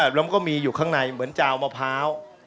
แล้วก็มีอยู่ข้างในเหมือนจาวมะพร้าว